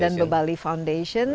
dan bebali foundation